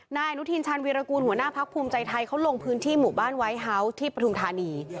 นายอนุทินชาญวีรกูลหัวหน้าพักภูมิใจไทยเขาลงพื้นที่หมู่บ้านไวทเฮาส์ที่ปฐุมธานี